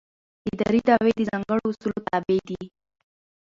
اداري دعوې د ځانګړو اصولو تابع دي.